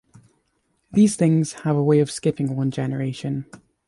These things have a way of skipping one generation.